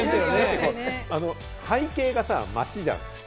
背景がさぁ、街じゃん。